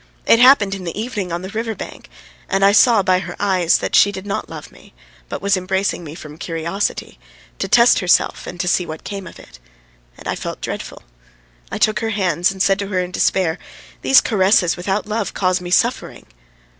It happened in the evening on the river bank, and I saw by her eyes that she did not love me, but was embracing me from curiosity, to test herself and to see what came of it. And I felt dreadful. I took her hands and said to her in despair: "These caresses without love cause me suffering!"